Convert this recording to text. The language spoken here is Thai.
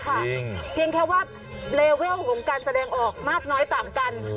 เพียงแค่ว่าเลเวลของการแสดงออกมากน้อยต่างกัน